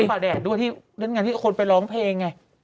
ด้วยป่าแดดด้วยที่ด้วยที่คนไปร้องเพลงไง